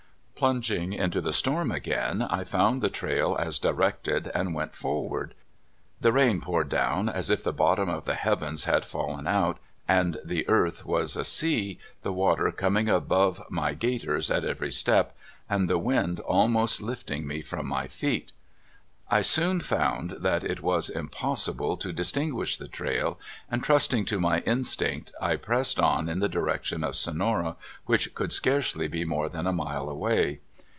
Plunging into the storm again, I found the trail as directed, and went forward. The rain poured down as if the bottom of the heavens had fallen out, and the earth was a sea, the water coming above my gaiters at every step, and the wind al most lifting me from my feet. I soon found that 30 CALIFORNIA SKETCHES. it was impossible to distinguish the trail, and trust ing to my instinct I pressed on in the direction of Sonora, which could scarcely be more than a mile away.